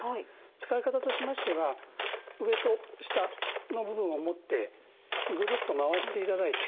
使い方としましては上と下の部分を持ってぐるっと回していただいて。